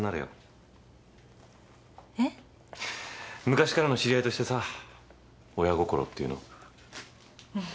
昔からの知り合いとしてさ親心っていうの？